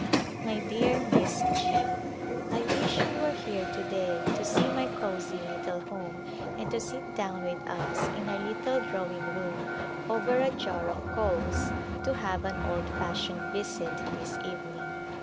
My dear Miss G : I wish you were here to day to see my cozy little home and to sit down with us in our little draw ing room over a jar of coals to have an old fashioned visit this evening.